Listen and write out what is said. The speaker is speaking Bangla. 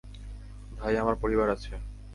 ভাই, আমার পরিবার আছে।